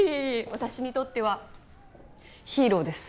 私にとってはヒーローです。